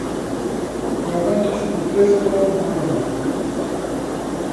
Para moitos, o prezo non é un problema.